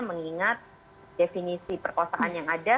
mengingat definisi perkosaan yang ada